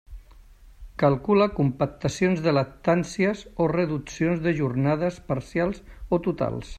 Calcula compactacions de lactàncies o reduccions de jornades, parcials o totals.